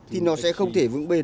thì nó sẽ không thể vững bền